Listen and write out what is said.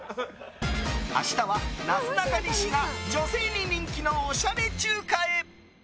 明日は、なすなかにしが女性に人気のおしゃれ中華へ。